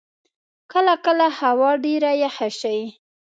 کله کله هوا ډېره یخه شی.